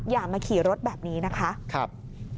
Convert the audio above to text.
อย่ามาขี่รถแบบนี้นะคะ